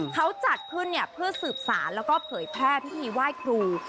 เขาจัดขึ้นเพื่อสืบสารแล้วก็เผยแพร่พิธีไหว้ครู